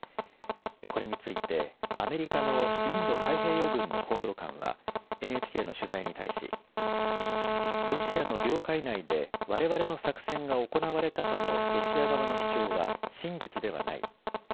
これについてアメリカのインド太平洋軍の報道官はＮＨＫの取材に対しロシアの領海内で、われわれの作戦が行われたとのロシア側の主張は真実ではない。